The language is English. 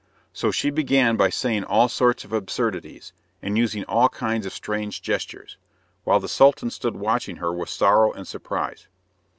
So she began by saying all sorts of absurdities, and using all kinds of strange gestures, while the Sultan stood watching her with sorrow and surprise.